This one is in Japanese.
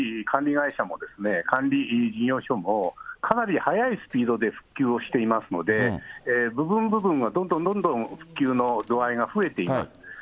管理会社も、管理事業所もかなり速いスピードで復旧をしていますので、部分部分はどんどんどんどん、復旧の度合いが増えています。